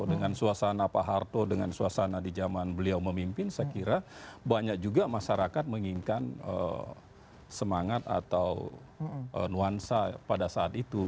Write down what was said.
dengan suasana pak harto dengan suasana di zaman beliau memimpin saya kira banyak juga masyarakat menginginkan semangat atau nuansa pada saat itu